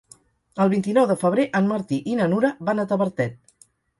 El vint-i-nou de febrer en Martí i na Nura van a Tavertet.